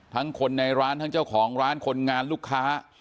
ทั้งคนในร้านทั้งเจ้าของร้านคนงานลูกค้า